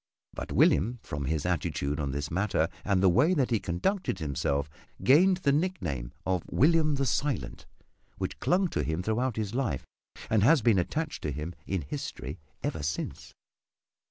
But William, from his attitude on this matter and the way that he conducted himself, gained the nickname of "William the Silent" which clung to him throughout his life and has been attached to him in history ever since.